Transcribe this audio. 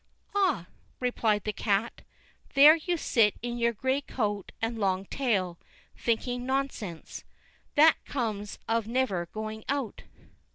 "Ah!" replied the cat, "there you sit in your gray coat and long tail, thinking nonsense. That comes of never going out."